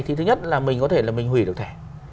thì thứ nhất là mình có thể là mình hủy được thẻ